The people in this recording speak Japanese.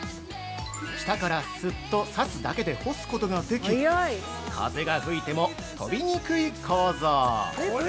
下からすっと差すだけで干すことができ、風が吹いても飛びにくい構造。